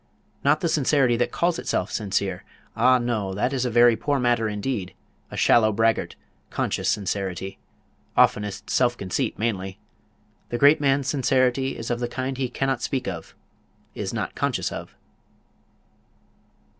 Not the sincerity that calls itself sincere; ah no, that is a very poor matter indeed; a shallow braggart, conscious sincerity, oftenest self conceit mainly. The great man's sincerity is of the kind he cannot speak of is not conscious of."